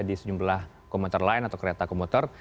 di sejumlah komuter lain atau kereta komuter